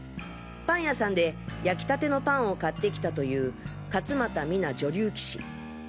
パン屋さんで焼きたてのパンを買って来たという勝又水菜女流棋士。